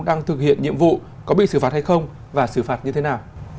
đang thực hiện nhiệm vụ có bị xử phạt hay không và xử phạt như thế nào